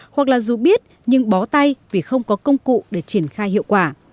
hoặc là dù biết nhưng bó tay vì không có công cụ để triển khai hiệu quả